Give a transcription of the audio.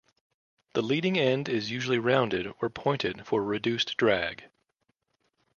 The leading end is usually rounded or pointed for reduced drag.